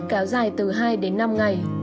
kéo dài từ hai đến năm ngày